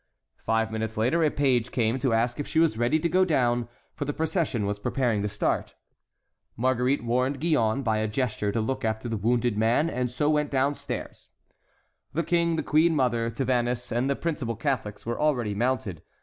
Five minutes later a page came to ask if she was ready to go down, for the procession was preparing to start. Marguerite warned Gillonne by a gesture to look after the wounded man and so went downstairs. The King, the queen mother, Tavannes, and the principal Catholics were already mounted.